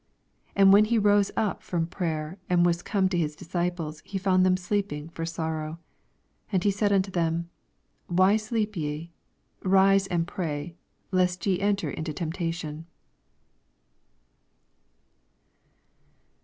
45 And when he rose np from prayer, and was come to his disciples, he found them sleeping for sorrow, 46 And said unto them. Why sleep ye ? rise and pray, lest ye enter into temptation.